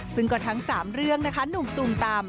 ซึ่งก็ทั้ง๓เรื่องนะคะหนุ่มตุมตาม